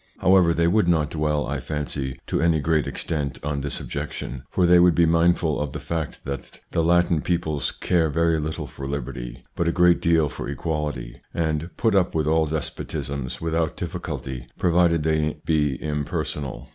However, they would not dwell, I fancy, to any great extent on this objection, for they would be mindful of the fact that the Latin peoples care very little for liberty, but a great deal for equality, and put up with all despotisms without difficulty provided they be im personal.